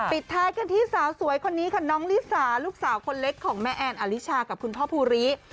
ปิดท้ายกันที่สาวสวยคนนี้ค่ะน้องลิสาลูกสาวคนเล็กของแม่แอนอลิชากับคุณพ่อภูริ